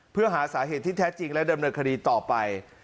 เพื่อหาสาเหตุที่แท้จริงและดำเนินคดีต่อไป